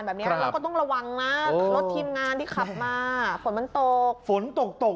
เราก็ต้องระวังมากรถทีมงานที่ขับมาฝนมันตก